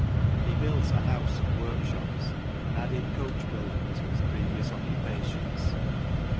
He built a house and workshops, and added coachbuilding to his previous occupations.